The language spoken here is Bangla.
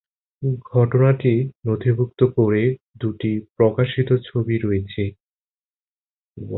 ঘটনাটি নথিভুক্ত করে দুটি প্রকাশিত ছবি রয়েছে।